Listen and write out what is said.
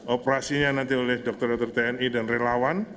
operasinya nanti oleh dokter dokter tni dan relawan